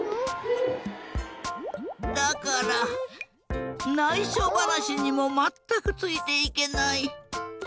だからないしょばなしにもまったくついていけない。